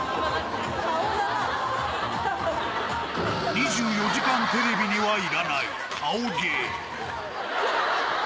『２４時間テレビ』にはいらない顔芸。